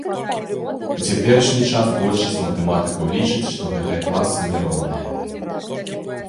У цяперашні час большасць матэматыкаў лічыць, што гэтыя класы не роўныя.